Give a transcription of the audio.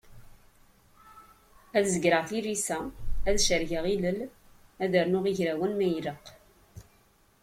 Ad zegreɣ tilisa, ad cargeɣ ilel ad rnuɣ igrawen ma ilaq.